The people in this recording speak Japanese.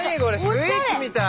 スイーツみたい！